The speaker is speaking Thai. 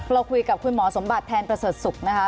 เราคุยกับคุณหมอสมบัติแทนประเสริฐศุกร์นะคะ